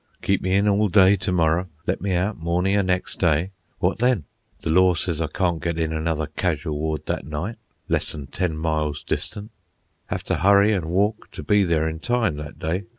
Keep me in all day to morrow, let me out mornin' o' next day. What then? The law sez I can't get in another casual ward that night less'n ten miles distant. Have to hurry an' walk to be there in time that day.